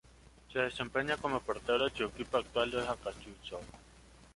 Se desempeña como portero y su equipo actual es Acassuso.